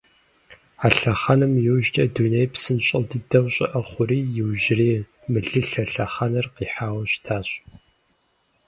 А лъэхъэнэм иужькӀэ дунейр псынщӀэ дыдэу щӀыӀэ хъури, иужьрей мылылъэ лъэхъэнэр къихьауэ щытащ.